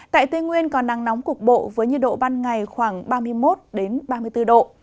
tại tây nguyên còn nắng nóng cục bộ với nhiệt độ ban ngày khoảng ba mươi một ba mươi bốn độ